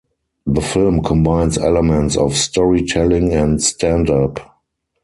The film combines elements of storytelling and stand-up.